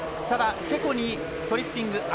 ただ、チェコにトリッピング。